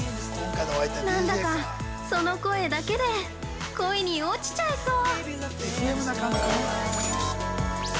何だかその声だけで恋に落ちちゃいそう。